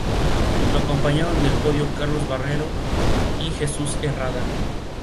Le acompañaron en el podio Carlos Barbero y Jesús Herrada.